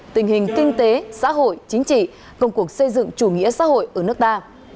tình hình kinh tế xã hội chính trị công cuộc xây dựng chủ nghĩa xã hội ở nước ta